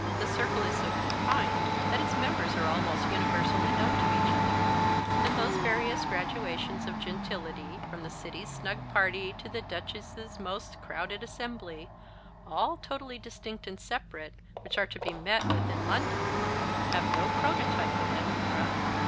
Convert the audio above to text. The circle is so confined that its members are almost universally known to each other; and those various gradations of gentility, from the city's snug party to the duchess's most crowded assembly, all totally distinct and separate, which are to be met with in London, have no prototype in Edinburgh.